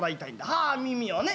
はあ耳をね。